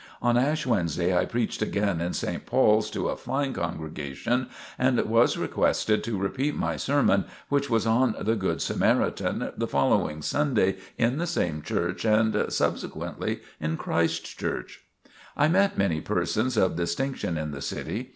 On Ash Wednesday I preached again in St. Paul's to a fine congregation and was requested to repeat my sermon, which was on the Good Samaritan, the following Sunday in the same church and subsequently in Christ Church. I met many persons of distinction in the city.